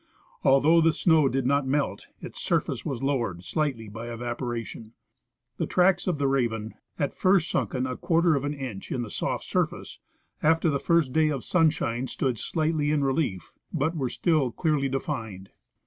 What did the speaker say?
Although the snow did not melt, its surface was lowered slightly by evaporation. The tracks of the raven, at first sunken a quarter of an inch in the soft surface, after the first day of sunshine stood slightlj^ in relief, but were still clearly defined.